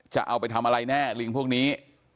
จะเอาไปทำอะไรแน่ลิงพวกนี้